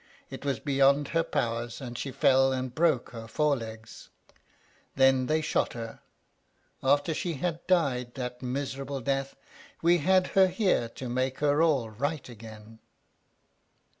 It was beyond her powers, and she fell and broke both her forelegs. Then they shot her. After she had died that miserable death, we had her here, to make her all right again."